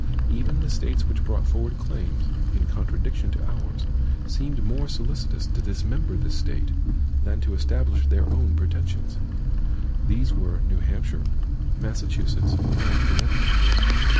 Even the States which brought forward claims, in contradiction to ours, seemed more solicitous to dismember this State, than to establish their own pretensions. These were New Hampshire, Massachusetts, and Connecticut.